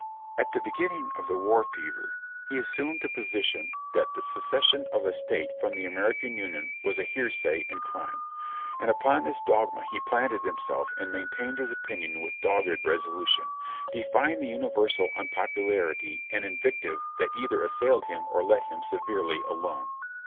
At the beginning of the war fever he assumed the position that THE HON. JOHN MINOR BOTTS 435 the secession of a State from the American Union was a heresy and a crime ; and upon this dogma he planted himself and main tained his opinion with dogi^ed resolution, defying the universal unpopularity and invective that either assailed him or let him se verely alone.